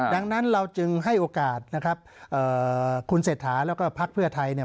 ดังนั้นเราจึงให้โอกาสคุณเศรษฐาแล้วก็พรรคเพื่อไทย